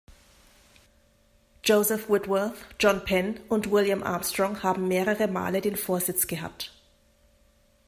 Joseph Whitworth, John Penn und William Armstrong haben mehrere Male den Vorsitz gehabt.